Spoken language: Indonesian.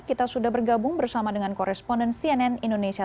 kita sudah bergabung bersama dengan koresponden cnn indonesia